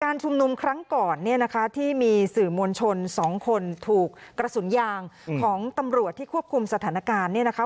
ชุมนุมครั้งก่อนเนี่ยนะคะที่มีสื่อมวลชน๒คนถูกกระสุนยางของตำรวจที่ควบคุมสถานการณ์เนี่ยนะคะ